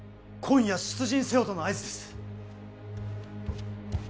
今夜出陣せよとの合図です。